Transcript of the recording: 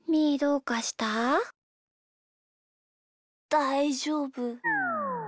だいじょうぶ。